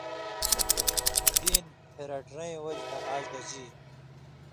(دین) پھېرٹیۡرَیں وجہۡ نہ آژ دژی!